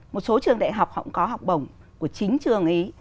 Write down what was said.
một số trường đại học họ cũng có học bổng của chính trường ý